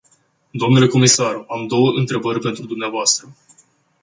Dle comisar, am două întrebări pentru dumneavoastră.